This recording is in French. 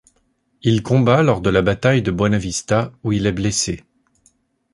Il combat lors de la bataille de Buena Vista, où il est blessé.